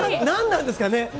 何なんですかね。